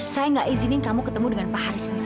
saya gak izinin kamu ketemu dengan pak haris